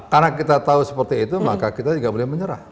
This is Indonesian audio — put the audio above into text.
karena kita tahu seperti itu maka kita juga boleh menyerah